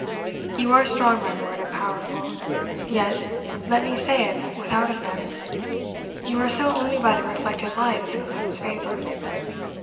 You are strong, my lord, and powerful; yet, let me say it without offence, you are so only by the reflected light of the Queen's favour.